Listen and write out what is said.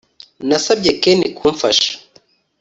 Nasabye Ken kumfasha